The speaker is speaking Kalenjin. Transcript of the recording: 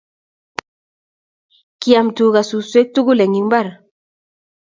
kiam tuga suswek tugul eng' imbar.